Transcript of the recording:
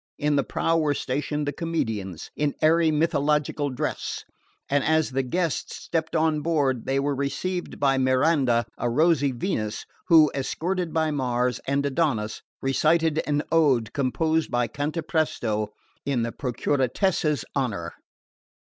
In the prow were stationed the comedians, in airy mythological dress, and as the guests stepped on board they were received by Miranda, a rosy Venus who, escorted by Mars and Adonis, recited an ode composed by Cantapresto in the Procuratessa's honour.